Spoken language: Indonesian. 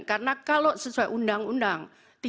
karena kalau sesuai undang undang